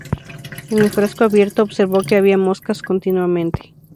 En el frasco abierto, observó que había moscas continuamente.